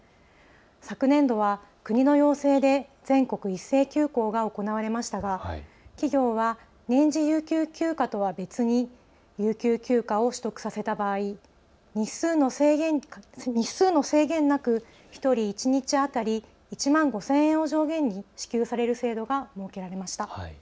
昨年度は国の要請で全国一斉休校が行われましたが企業が年次有給休暇とは別に有給休暇を取得させた場合、日数の制限なく１人一日当たり、１万５０００円を上限に支給される制度が設けられました。